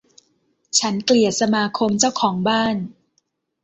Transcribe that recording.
ฉันเกลียดสมาคมเจ้าของบ้าน